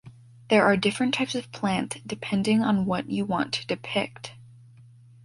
There are different types of plant depending on what you want to depict.